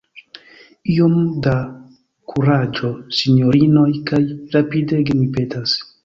Iom da kuraĝo, sinjorinoj; kaj rapidege, mi petas.